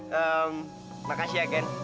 hmm makasih ya gen